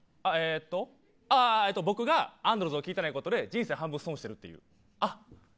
僕がアンドルズを聞いてないことで人生半分、損してるっていう。